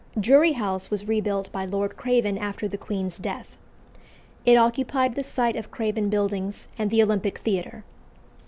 Drury House was rebuilt by Lord Craven after the Queen's death. It occupied the site of Craven Buildings and the Olympic Theatre.